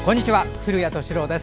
古谷敏郎です。